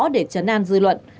để chấn an dư luận